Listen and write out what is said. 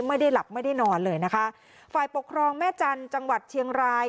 ไม่ได้หลับไม่ได้นอนเลยนะคะฝ่ายปกครองแม่จันทร์จังหวัดเชียงราย